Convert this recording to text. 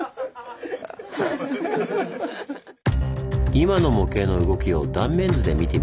今の模型の動きを断面図で見てみると。